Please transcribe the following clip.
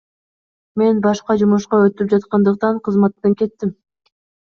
Мен башка жумушка өтүп жаткандыктан кызматтан кеттим.